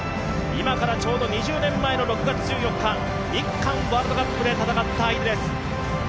今からちょうど２０年前の６月１４日、日韓ワールドカップで戦った相手です。